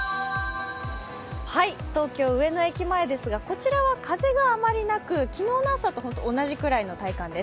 東京・上野駅前ですが、こちらは風があまりなく昨日の朝と同じくらいの体感です。